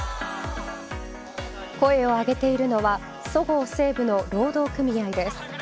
声を上げているのはそごう・西武の労働組合です。